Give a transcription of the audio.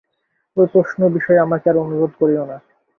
ঐ-প্রশ্ন বিষয়ে আমাকে আর অনুরোধ করিও না।